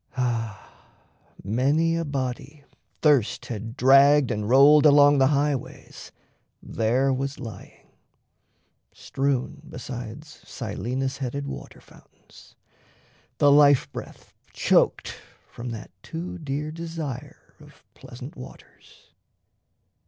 Ah, many a body thirst had dragged and rolled Along the highways there was lying strewn Besides Silenus headed water fountains, The life breath choked from that too dear desire Of pleasant waters.